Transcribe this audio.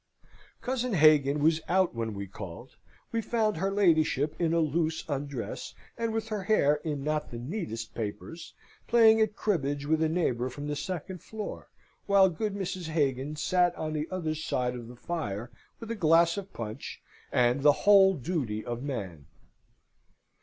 Cousin Hagan was out when we called; we found her ladyship in a loose undress, and with her hair in not the neatest papers, playing at cribbage with a neighbour from the second floor, while good Mrs. Hagan sate on the other side of the fire with a glass of punch, and the Whole Duty of Man.